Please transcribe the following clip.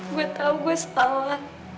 gue tau gue setalah